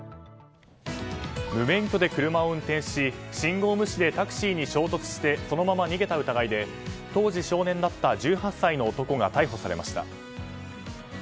無免許で車を運転し信号無視でタクシーに衝突しそのまま逃げた疑いで当時少年だった１８歳の男が逮捕されました。